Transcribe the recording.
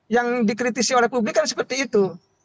yang dikritisi oleh publik kan seperti itu